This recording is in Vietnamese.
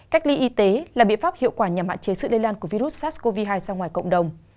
cách ly y tế là biện pháp hiệu quả nhằm hạn chế sự lây lan của virus sars cov hai ra ngoài cộng đồng